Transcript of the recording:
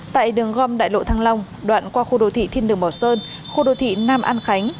tại đường gom đại lộ thăng long đoạn qua khu đô thị thiên đường bỏ sơn khu đô thị nam an khánh